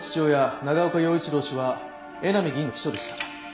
長岡洋一郎氏は江波議員の秘書でした。